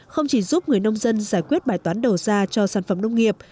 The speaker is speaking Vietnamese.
không chỉ giúp người nông dân giải quyết bài toán đầu ra cho sản phẩm nông nghiệp